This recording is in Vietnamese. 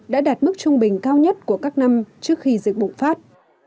đã đạt mức trung bình cao nhất của các năm trước khi dịch bùng phát